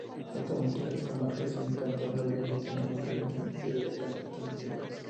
Actualmente las comarcas en Cantabria no tienen un carácter administrativo y apenas están definidas.